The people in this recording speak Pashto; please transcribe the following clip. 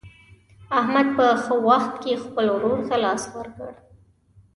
احمد په ښه وخت کې خپل ورور ته لاس ورکړ.